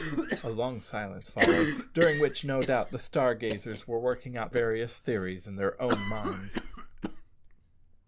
A long silence followed, during which, no doubt, the star gazers were working out various theories in their own minds.